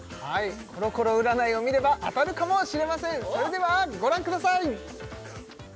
コロコロ占いを見れば当たるかもしれませんそれではご覧ください！